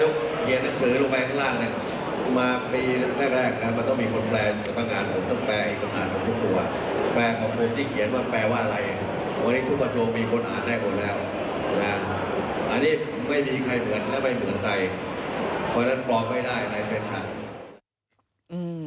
ข้อเสนอข้อเสนอข้อเสนอข้อเสนอ